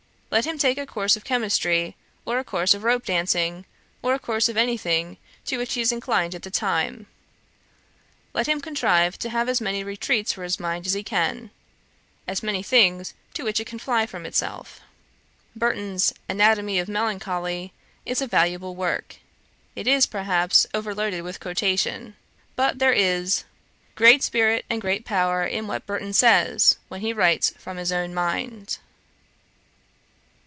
'Let him take a course of chymistry, or a course of rope dancing, or a course of any thing to which he is inclined at the time. Let him contrive to have as many retreats for his mind as he can, as many things to which it can fly from itself. Burton's Anatomy of Melancholy is a valuable work. It is, perhaps, overloaded with quotation. But there is great spirit and great power in what Burton says, when he writes from his own mind.'